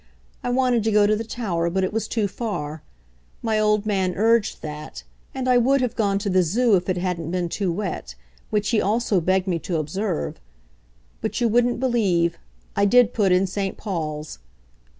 I wanted to go to the Tower, but it was too far my old man urged that; and I would have gone to the Zoo if it hadn't been too wet which he also begged me to observe. But you wouldn't believe I did put in St. Paul's.